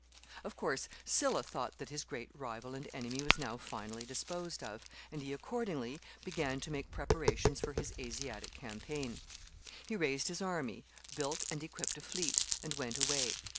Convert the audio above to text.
] Of course, Sylla thought that his great rival and enemy was now finally disposed of, and he accordingly began to make preparations for his Asiatic campaign. He raised his army, built and equipped a fleet, and went away.